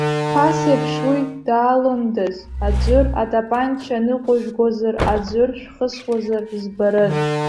Ԥасеиԥш уи даалондаз, аӡәыр атапанча ныҟәыжәгозар, аӡәыр шәхысуазар збарын.